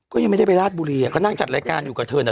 ก็ยังไม่ได้ไปราชบุรีเขานั่งจัดรายการอยู่กับเธอนะ